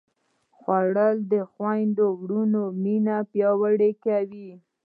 خوړل د خویندو وروڼو مینه پیاوړې کوي